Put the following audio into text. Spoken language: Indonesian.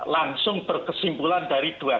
langsung berkesimpulan dari dua